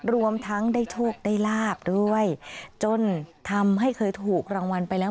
รวมทั้งได้โชคได้ลาบด้วยจนทำให้เคยถูกรางวัลไปแล้ว